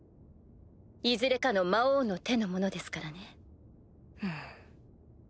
いずれかの魔王の手の者ですからね。